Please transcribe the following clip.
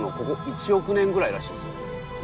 ここ１億年ぐらいらしいですよ。